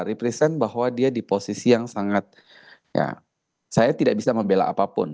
represent bahwa dia di posisi yang sangat ya saya tidak bisa membela apapun